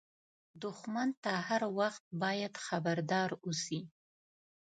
دښمن ته هر وخت باید خبردار اوسې